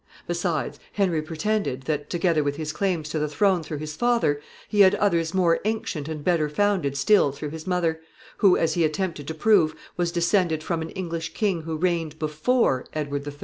Besides, Henry pretended that, together with his claims to the throne through his father, he had others more ancient and better founded still through his mother, who, as he attempted to prove, was descended from an English king who reigned _before Edward III.